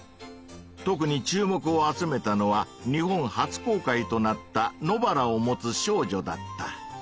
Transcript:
特に注目を集めたのは日本初公開となった「野バラをもつ少女」だった。